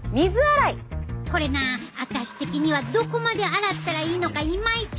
これなあたし的にはどこまで洗ったらいいのかイマイチ